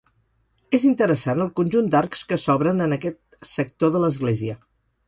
És interessant el conjunt d'arcs que s'obren en aquest sector de l'església.